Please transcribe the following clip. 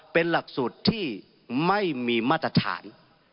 เป็นหลักสูตรที่ไม่มีมาตรฐาน